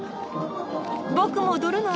僕も踊るの？